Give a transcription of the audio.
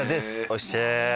おっしゃす。